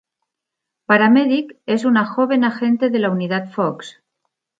Para-medic es una joven agente de la Unidad Fox.